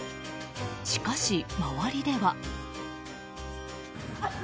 しかし、周りでは。